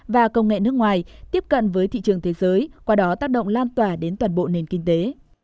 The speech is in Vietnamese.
và công nghệ nước ngoài tiếp cận với thị trường thế giới qua đó tác động lan tỏa đến toàn bộ nền kinh tế